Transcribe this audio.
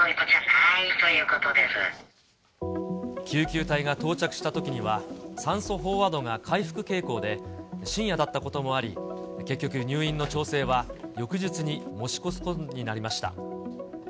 救急隊が到着したときには、酸素飽和度が回復傾向で、深夜だったこともあり、結局、入院の調整は翌日に持ち越すことになりました。